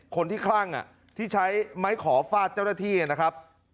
คลั่งที่ใช้ไม้ขอฟาดเจ้าหน้าที่นะครับ